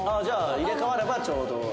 じゃあ入れ替わればちょうど。